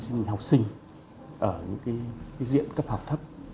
sinh sinh học sinh ở những diện cấp học thấp